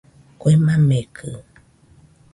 Kue makekɨ